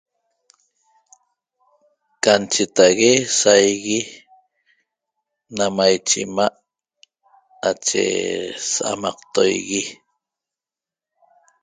Can cheta'ague saigui na maiche 'ima' nache sa'amaqtoigui